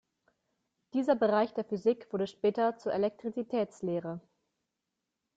Dieser Bereich der Physik wurde später zur Elektrizitätslehre.